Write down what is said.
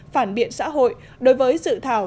phản biện xã hội đối với sự thảo